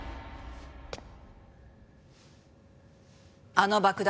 あの爆弾